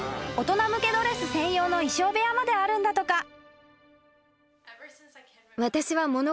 ［大人向けドレス専用の衣装部屋まであるんだとか］